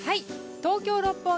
東京・六本木